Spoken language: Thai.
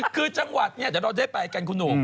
คือจังหวัดนี้แต่เราได้แปลกกันคุณหนู